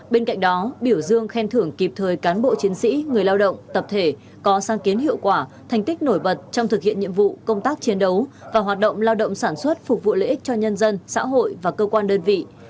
bên cạnh đó biểu dương khen thưởng kịp thời cán bộ chiến sĩ người lao động tập thể có sáng kiến hiệu quả thành tích nổi bật trong thực hiện nhiệm vụ công tác chiến đấu và hoạt động lao động sản xuất phục vụ lợi ích cho nhân dân xã hội và cơ quan đơn vị